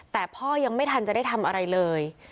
แต่พ่อยังไม่ทันจะได้ทำอะไรเลย